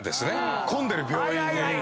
混んでる病院で。